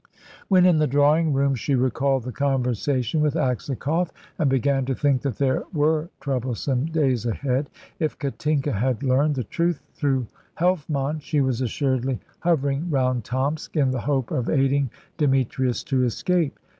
When in the drawing room she recalled the conversation with Aksakoff, and began to think that there were troublesome days ahead. If Katinka had learned the truth through Helfmann, she was assuredly hovering round Tomsk in the hope of aiding Demetrius to escape.